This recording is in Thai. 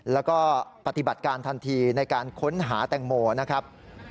แล้วก็ปฏิบัติการทันทีในการค้นหาแตงโมนะครับ